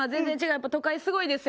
やっぱ都会すごいですよ。